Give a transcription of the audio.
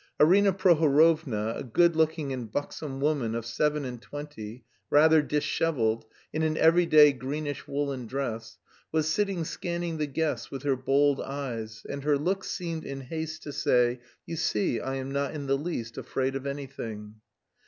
Arina Prohorovna, a good looking and buxom woman of seven and twenty, rather dishevelled, in an everyday greenish woollen dress, was sitting scanning the guests with her bold eyes, and her look seemed in haste to say, "You see I am not in the least afraid of anything."